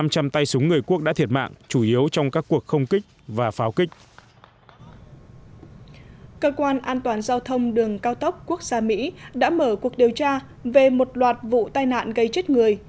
cơ quan an toàn giao thông đường cao tốc quốc gia mỹ đã mở cuộc điều tra về một loạt vụ tai nạn gây chết người